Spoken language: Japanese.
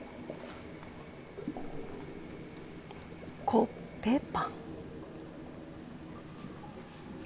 コッペパン。